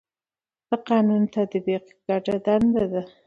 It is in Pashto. د قانون تطبیق ګډه دنده ده